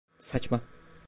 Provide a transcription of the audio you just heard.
Saçma.